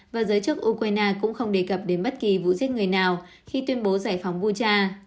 và giới chức ukraine cũng không đề cập đến bất kỳ vụ giết người nào khi tuyên bố giải phóng vuja